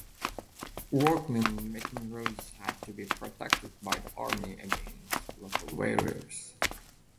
Workmen making roads had to be protected by the army against local warriors.